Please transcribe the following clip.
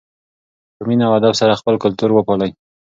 په مینه او ادب سره خپل کلتور وپالئ.